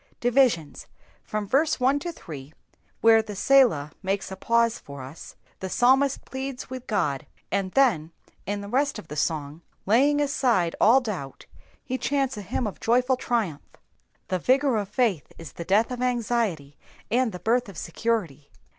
Divisions.— l^hwi verse 1 to 3, where the tielah makes a pause for us, the psalmist pleads with God, and then in the rest of the song, laying aside all doubt, hk chants a hymn of joyful trivrnph. The vigour of faith is the death of anxiety, and the birth of security.